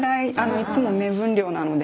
いつも目分量なので。